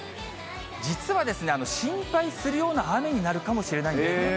実は心配するような雨になるかもしれないんです。